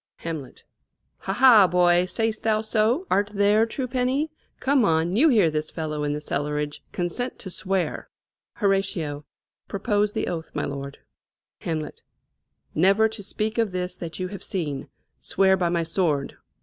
Hamlet. Ha, ha, boy! say'st thou so? art there, true penny? Come on you hear this fellow in the cellarage, Consent to swear. Hor. Propose the oath, my lord. Hamlet. Never to speak of this that you have seen, Swear by my sword."